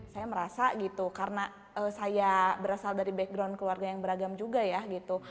saya merasa gitu karena saya berasal dari background keluarga yang beragam juga ya gitu